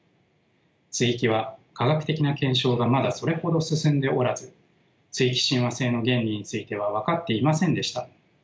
接ぎ木は科学的な検証がまだそれほど進んでおらず接ぎ木親和性の原理については分かっていませんでした。